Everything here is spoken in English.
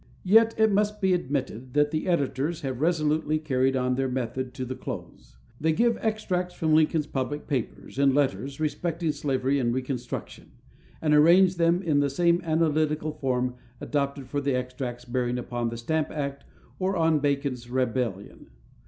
Yet it must be admitted that the editors have resolutely carried on their method to the close; they give extracts from Lincoln's public papers and letters respecting slavery and reconstruction, and arrange them in the same analytical form adopted for the extracts bearing upon the Stamp Act or on Bacon's Rebellion.